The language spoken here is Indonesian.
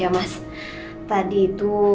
hal ini sudah diatur dulu